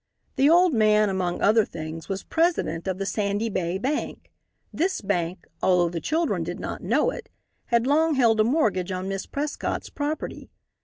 The old man, among other things, was President of the Sandy Bay Bank. This bank, although the children did not know it, had long held a mortgage on Miss Prescott's property.